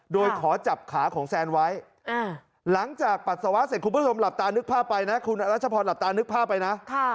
โดยขอจับขาของแซนไว้หลังจากปัสสาวะเสร็จคุณผู้ชมหลับตานึกภาพไปนะ